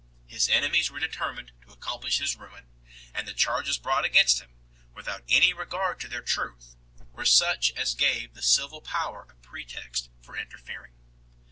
His enemies were determined to accomplish his ruin, and the charges brought against him, without any regard to their truth, were such as gave the civil power a pretext for interfering.